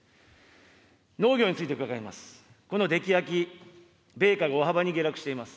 農業について伺います。